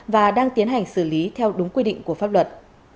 và đang tiến hành xử lý theo đúng quy định của pháp luật